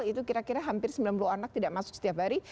itu kira kira hampir sembilan puluh anak tidak masuk setiap hari